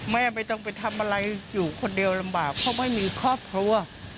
ไม่ต้องไปทำอะไรอยู่คนเดียวลำบากเพราะไม่มีครอบครัว